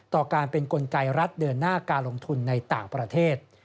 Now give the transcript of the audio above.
ต่อการเป็นกลไกรัฐเดินหน้าการลงทุนในต่างประเทศ